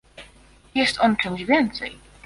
Jest on czymś więcej